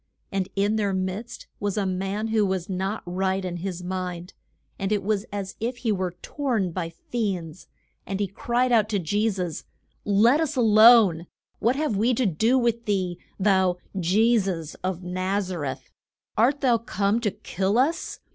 And in their midst was a man who was not in his right mind, and it was as if he were torn by fiends, and he cried out to Je sus, Let us a lone. What have we to do with thee, thou Je sus of Naz a reth? Art thou come to kill us?